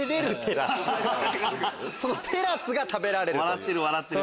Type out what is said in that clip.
そのテラスが食べられるという？